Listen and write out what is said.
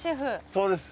そうです。